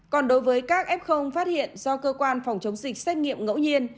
còn đối với các f phát hiện do cơ quan phòng chống dịch xét nghiệm ngẫu nhiên